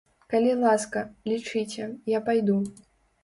Калі ласка, лічыце, я пайду.